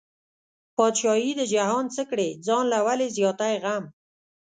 بادشاهي د جهان څه کړې، ځان له ولې زیاتی غم